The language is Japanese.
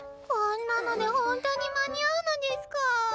こんなのでほんとに間に合うのデスカ？